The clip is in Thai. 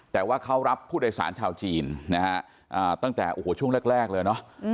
แต่ว่าเขารับผู้โดยสารชาวจีนนะฮะตั้งแต่โอ้โหช่วงแรกเลยเนอะ